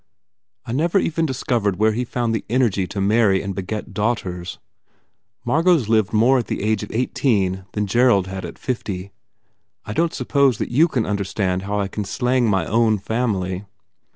I never even discovered where he found the energy to marry and beget daughters. Margot s lived more at the age of eighteen than Gerald had at fifty. I don t suppose that you can understand how I can slang my own family."